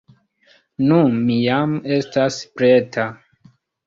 Nu, mi jam estas preta.